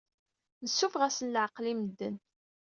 Nessuffeɣ-asen leɛqel i medden.